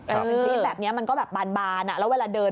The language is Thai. เป็นคลิปแบบนี้มันก็แบบบานแล้วเวลาเดิน